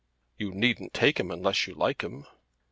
"You needn't take him unless you like him."